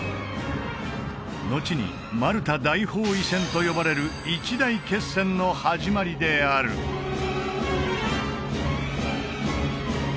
のちにマルタ大包囲戦と呼ばれる一大決戦の始まりである何？